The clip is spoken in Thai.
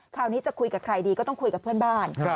คราวนี้จะคุยกับใครดีก็ต้องคุยกับเพื่อนบ้าน